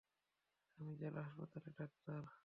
আমি জেলা হাসপাতালের ডাক্তার।